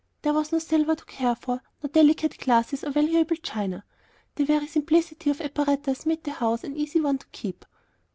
There was no silver to care for, no delicate glass or valuable china; the very simplicity of apparatus made the house an easy one to keep.